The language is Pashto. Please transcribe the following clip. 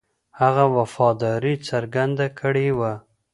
هغه وفاداري څرګنده کړې وه.